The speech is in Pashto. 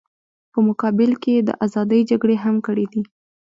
په مقابل کې یې د ازادۍ جګړې هم کړې دي.